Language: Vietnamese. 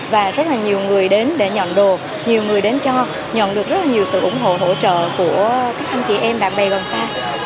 và rất là nhiều người đến để nhận đồ nhiều người đến cho nhận được rất là nhiều sự ủng hộ hỗ trợ của các anh chị em bạn bè vòng xa